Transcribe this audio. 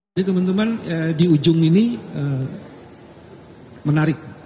jadi teman teman di ujung ini menarik